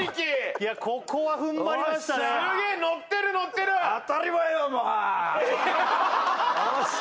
いやここは踏ん張りましたおっしゃ！